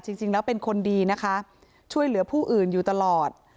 จริงแล้วเป็นคนดีนะคะช่วยเหลือผู้อื่นอยู่ตลอด